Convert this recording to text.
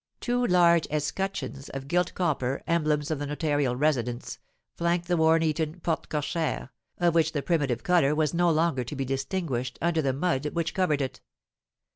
Two large escutcheons of gilt copper, emblems of the notarial residence, flanked the worm eaten porte cochère, of which the primitive colour was no longer to be distinguished under the mud which covered it.